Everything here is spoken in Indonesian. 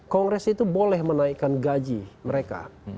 kongres itu boleh menaikkan gaji mereka